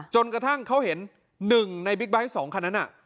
จนกระทั่งเขาเห็นหนึ่งในบิ๊กไบท์สองคันนั้นแหละ